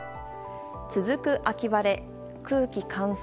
続く秋晴れ、空気乾燥。